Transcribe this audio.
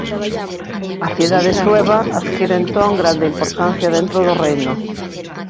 A cidade sueva adquire entón grande importancia dentro do reino.